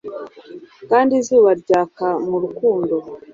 kandi izuba ryaka mu rukundo